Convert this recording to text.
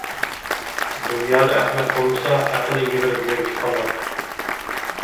دۇنيادا ئەخمەق بولمىسا، ئەقىل ئىگىلىرى زېرىكىپ قالار.